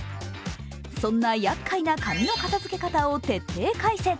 そんなやっかいな紙の片づけ方を徹底解説。